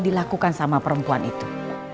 dilakukan sama perempuan itu